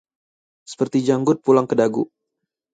Seperti janggut pulang ke dagu